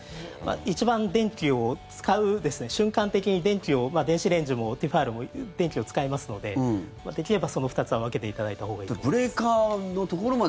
一番電気を使う瞬間的に電気を電子レンジもティファールも電気を使いますのでできれば、その２つは分けていただいたほうがいいと思います。